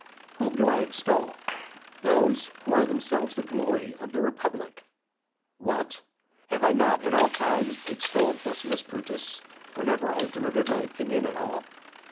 Whom do I extol? Those who are themselves the glory of the republic. What? have I not at all times extolled Decimus Brutus whenever I have delivered my opinion at all?